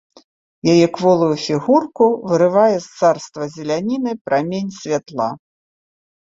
Яе кволую фігурку вырывае з царства зеляніны прамень святла.